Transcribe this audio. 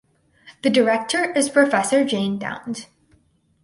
The director is Professor Jane Downes.